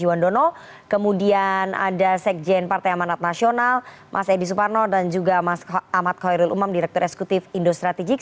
pak bandono kemudian ada sekjen partai amanat nasional mas edy suparno dan juga mas ahmad khairul umam direktur eksekutif indostrategik